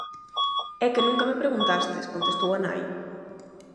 "É que nunca me preguntastes", contestou a nai.